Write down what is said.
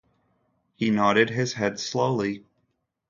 He nodded his head slowly.